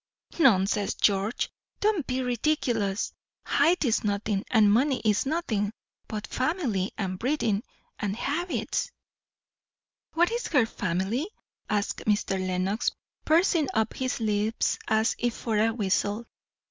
"Nonsense, George! don't be ridiculous! Height is nothing, and money is nothing; but family and breeding and habits " "What is her family?" asked Mr. Lenox, pursing up his lips as if for a whistle.